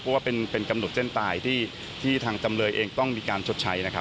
เพราะว่าเป็นกำหนดเส้นตายที่ทางจำเลยเองต้องมีการชดใช้นะครับ